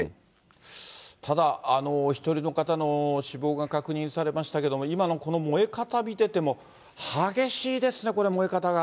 ただ、お１人の方の死亡が確認されましたけれども、今のこの燃え方見てても、激しいですね、これ、燃え方が。